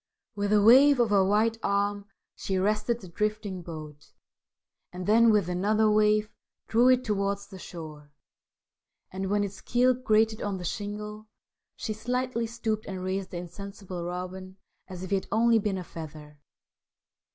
With a wave of her white arm she arrested the drifting boat, and then, with another wave, drew it towards the shore, and, when its keel grated on the shingle, she slightly stooped and raised the insensible Robin as if he had only been a feather.